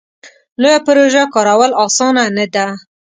لویه پروژه کارول اسانه نه ده.